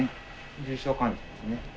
重症患者ですね。